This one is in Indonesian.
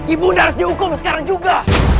ibu udah harus dihukum sekarang juga